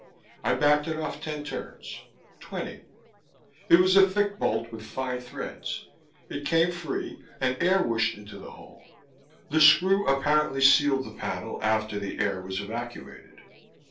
I backed it off ten turns, twenty; it was a thick bolt with fine threads. It came free and air whooshed into the hole. The screw apparently sealed the panel after the air was evacuated.